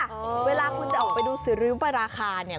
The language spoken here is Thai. เวลาคุณจะออกไปดูสิริปราคาเนี่ย